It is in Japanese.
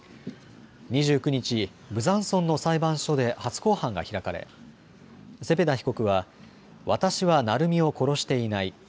２９日、ブザンソンの裁判所で初公判が開かれセペダ被告は、私は愛海を殺していない。